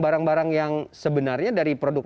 barang barang yang sebenarnya dari produk